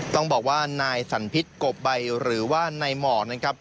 ต้องบอกว่านายสันพิษกบใบหรือว่านายหมอกนะครับ